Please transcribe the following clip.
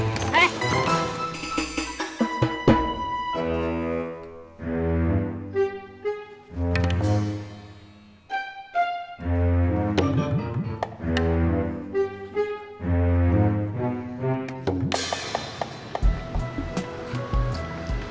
itu dia punya kantornya